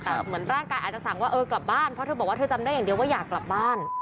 แต่เหมือนร่างกายอาจจะสั่งว่าเออกลับบ้านเพราะเธอบอกว่าเธอจำได้อย่างเดียวว่าอยากกลับบ้าน